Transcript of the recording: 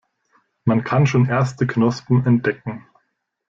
Man kann schon erste Knospen entdecken.